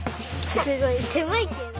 すごいせまいけど。